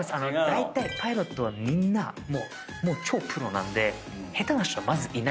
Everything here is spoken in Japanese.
だいたいパイロットはみんなもう超プロなんで下手な人はまずいないです。